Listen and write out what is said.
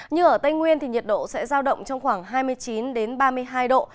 như ở tây nguyên thì nhiệt độ sẽ giao động trong khoảng hai mươi chín ba mươi hai độ